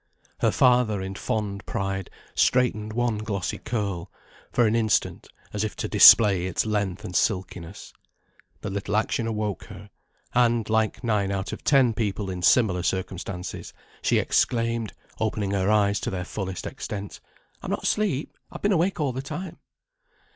Her father in fond pride straightened one glossy curl, for an instant, as if to display its length and silkiness. The little action awoke her, and, like nine out of ten people in similar circumstances, she exclaimed, opening her eyes to their fullest extent, "I'm not asleep. I've been awake all the time."